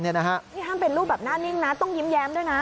นี่ห้ามเป็นรูปแบบหน้านิ่งนะต้องยิ้มแย้มด้วยนะ